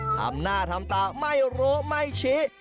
ทำหน้าทำตาไม่โร่ไม่ฉี